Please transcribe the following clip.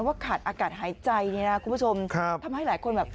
ว่าขาดอากาศหายใจคุณผู้ชมทำให้หลายคนแบบ